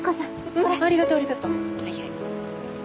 はいはい。